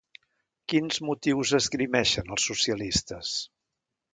Quins motius esgrimeixen els socialistes?